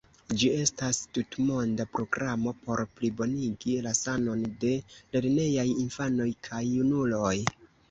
Ĝi estas tutmonda programo por plibonigi la sanon de lernejaj infanoj kaj junuloj.